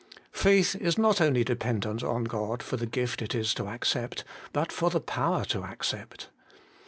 Faith is not only dependent on God for the gift it is to accept, but for the power to accept.